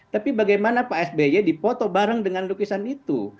tapi bagaimana pak sby dipoto bareng dengan lukisan itu